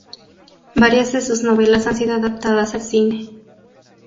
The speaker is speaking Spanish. Varias de sus novelas han sido adaptadas al cine.